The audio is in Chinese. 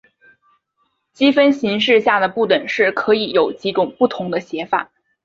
积分形式下的不等式可以有几种不同的写法。